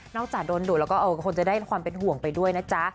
จากโดนดูดแล้วก็คงจะได้ความเป็นห่วงไปด้วยนะจ๊ะ